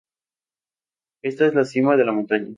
Esta es la cima de la montaña.